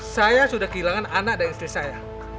saya sudah kehilangan anak dan istri saya